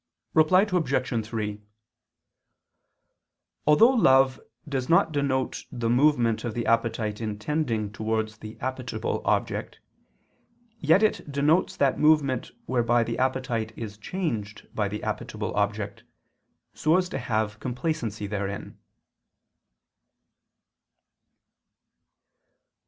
Reply Obj. 3: Although love does not denote the movement of the appetite in tending towards the appetible object, yet it denotes that movement whereby the appetite is changed by the appetible object, so as to have complacency therein.